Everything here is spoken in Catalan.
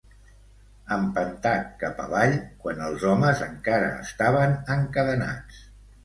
Empentat cap avall, quan els homes encara estaven encadenats.